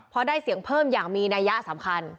พอได้เสียงเพิ่มอย่างมีนัยสำคัญ